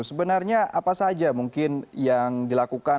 sebenarnya apa saja mungkin yang dilakukan